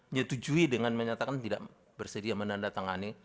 menyetujui dengan menyatakan tidak bersedia menandatangani